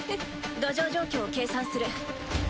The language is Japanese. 土壌状況を計算する。